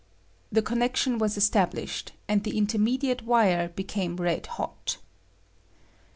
[The connection was established, and the intermediate wire became red hot.